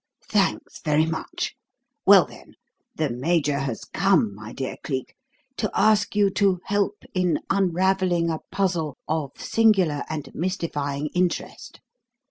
"Thanks very much. Well then, the Major has come, my dear Cleek, to ask you to help in unravelling a puzzle of singular and mystifying interest.